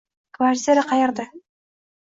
Kvartira qayerda?